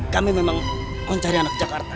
kami memang mau cari anak jakarta